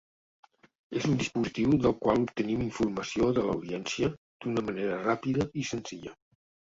És un dispositiu del qual obtenim informació de l'audiència d'una manera ràpida i senzilla.